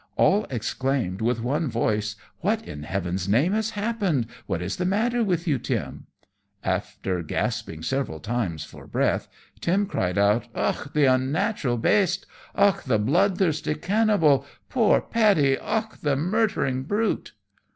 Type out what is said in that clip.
All exclaimed with one voice, "What in heaven's name has happened! What is the matter with you, Tim?" After gasping several times for breath Tim cried out, "Och, the unnatural baste! Och, the blood thirsty cannibal! Poor Paddy! Och, the murthering brute!"